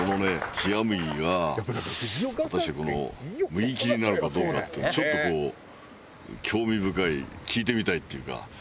冷麦が果たしてこの麦切りなのかどうかっていうちょっとこう興味深い聞いてみたいっていうか。